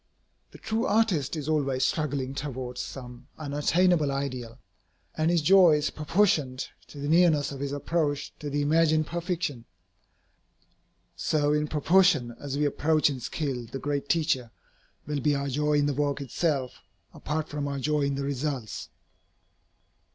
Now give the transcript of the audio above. The true artist is always struggling towards some unattainable ideal, and his joy is proportioned to the nearness of his approach to the imagined perfection. So in proportion as we approach in skill the great Teacher, will be our joy in the work itself, apart from our joy in the results.